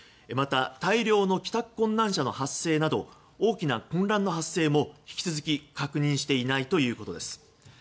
また大量の帰宅困難者の発生など大きな混乱の発生も引き続き確認していないということです。